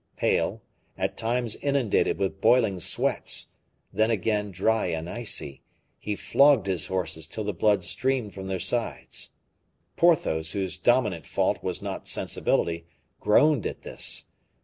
Pale, at times inundated with boiling sweats, then again dry and icy, he flogged his horses till the blood streamed from their sides. Porthos, whose dominant fault was not sensibility, groaned at this.